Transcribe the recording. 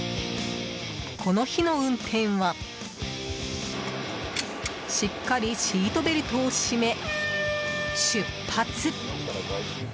この日の運転はしっかりシートベルトを締め出発！